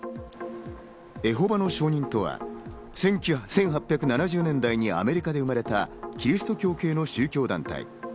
エホバの証人とは１８７０年代にアメリカで生まれた、キリスト教系の宗教団体。